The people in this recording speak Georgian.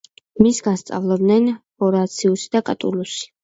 მისგან სწავლობდნენ ჰორაციუსი და კატულუსი.